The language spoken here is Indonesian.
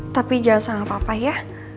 tapi jangan sama papa ya